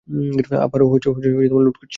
আবারও লোড করছি।